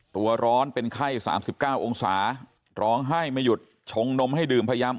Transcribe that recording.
ตัวร้อนเป็นไข้๓๙องศาร้องไห้ไม่หยุดชงนมให้ดื่มพยายาม